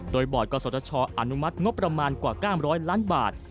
โดยบอร์ดกศชอนุมัติงบประมาณกว่า๙๐๐ล้านบาท